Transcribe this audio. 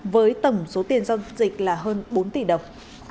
với tầm số tiền do dịch là hơn bốn tỷ đồng